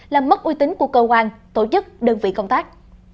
làm mất uy tín của cơ quan tổ chức đơn vị công tác